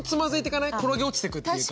転げ落ちてくっていうか。